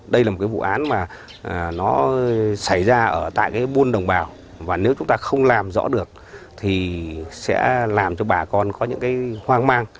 đây là một cái vụ án mà nó xảy ra ở tại cái buôn đồng bào và nếu chúng ta không làm rõ được thì sẽ làm cho bà con có những cái hoang mang